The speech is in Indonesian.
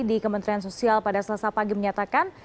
di kementerian sosial pada selasa pagi menyatakan